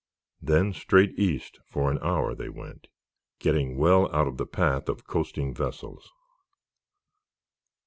Then straight East, for an hour they went, getting well out of the path of coasting vessels.